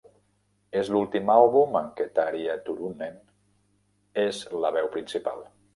És l'ultim àlbum en què Tarja Turunen és la veu principal.